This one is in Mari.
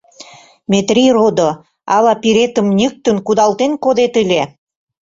— Метрий родо, ала пиретым ньыктын кудалтен кодет ыле?